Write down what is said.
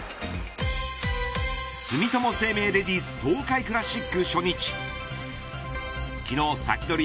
住友生命レディス東海クラシック初日昨日サキドリ！